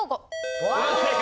正解。